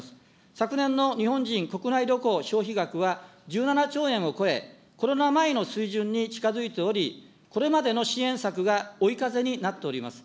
昨年の日本人国内旅行消費額は、１７兆円を超え、コロナ前の水準に近づいており、これまでの支援策が追い風になっております。